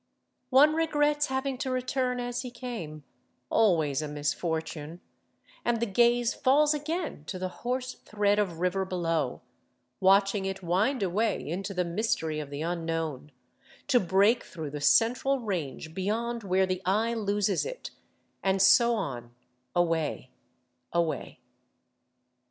One regrets having to return as he came, always a misfortune, and the gaze falls again to the hoarse thread of river below, watching it wind away into the mystery of the unknown, to break through the central range beyond where the eye loses it, and so on away, away.